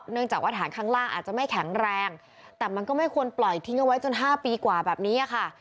จากว่าฐานข้างล่างอาจจะไม่แข็งแรงแต่มันก็ไม่ควรปล่อยทิ้งเอาไว้จน๕ปีกว่าแบบนี้ค่ะ